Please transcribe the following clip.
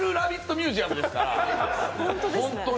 ミュージアムですから、ホントに。